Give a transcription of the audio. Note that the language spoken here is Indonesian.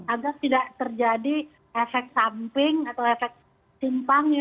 agar tidak terjadi efek samping atau efek simpangnya